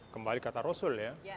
kembali kata rasul ya